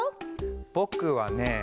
ぼくはね